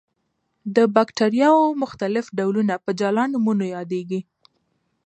د باکتریاوو مختلف ډولونه په جلا نومونو یادیږي.